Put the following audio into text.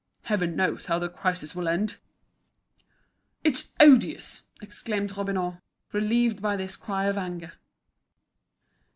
Heaven knows how the crisis will end!" "It's odious!" exclaimed Robineau, relieved by this cry of anger.